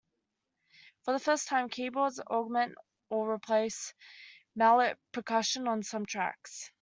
For the first time, keyboards augment or replace mallet percussion on some tracks.